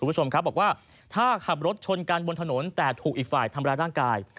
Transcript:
คุณผู้ชมครับบอกว่าถ้าขับรถชนกันบนถนนแต่ถูกอีกฝ่ายทำร้ายร่างกาย